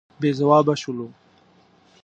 بې ځوابه شولو.